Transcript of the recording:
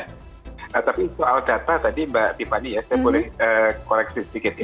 nah tapi soal data tadi mbak tiffany ya saya boleh koreksi sedikit ya